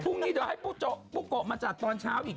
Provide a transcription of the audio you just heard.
โอเคพรุ่งนี้เดี๋ยวให้ปุ๊กกะมาจัดตอนเช้าอีกนะ